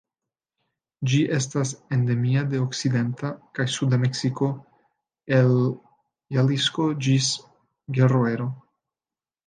Ĝi estas endemia de okcidenta kaj suda Meksiko, el Jalisco ĝis Guerrero.